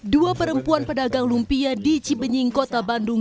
dua perempuan pedagang lumpia di cibenying kota bandung